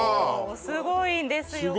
すごいんですよ